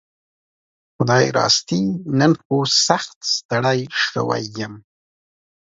خدايي راستي نن خو سخت ستړى شوي يم